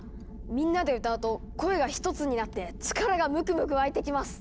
みんなで歌うと声がひとつになって力がムクムクわいてきます！